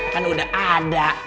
kan udah ada